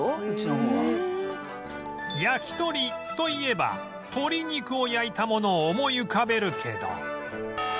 焼き鳥といえば鶏肉を焼いたものを思い浮かべるけど